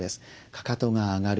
かかとが上がる。